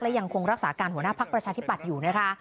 และยังคงรักษาการหัวหน้าพักประชาธิบัตรอยู่นะคะ